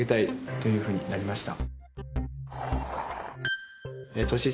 というふうになりました。